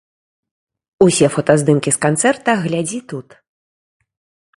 Усе фотаздымкі з канцэрта глядзі тут.